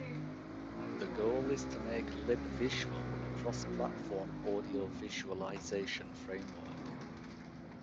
The goal is to make libvisual a cross-platform audio visualisation framework.